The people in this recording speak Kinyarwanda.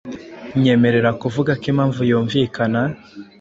nyemerera kuvuga ko impamvu yumvikana